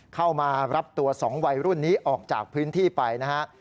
เข้ามารับตัว๒วัยรุ่นนี้ออกจากพื้นที่ไปนะฮะ